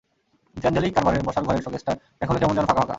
কিন্তু অ্যাঞ্জেলিক কারবারের বসার ঘরের শোকেসটা এখনো কেমন যেন ফাঁকা ফাঁকা।